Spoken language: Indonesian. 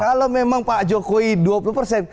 kalau memang pak jokowi dua puluh persen